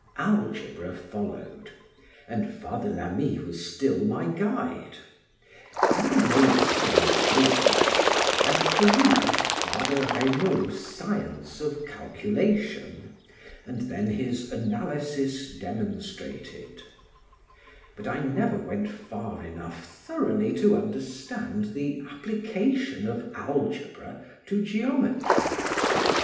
Algebra followed, and Father Lama was still my guide: when I made some progress, I perused Father Reynaud's Science of Calculation, and then his Analysis Demonstrated; but I never went far enough thoroughly to understand the application of algebra to geometry.